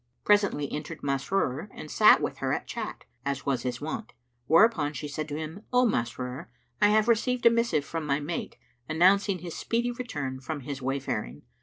Presently entered Masrur and sat with her at chat, as was his wont, whereupon she said to him, "O Masrur, I have received a missive from my mate, announcing his speedy return from his wayfaring.